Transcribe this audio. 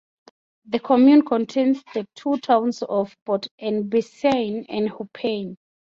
The commune contains the two towns of Port-en-Bessin and Huppain.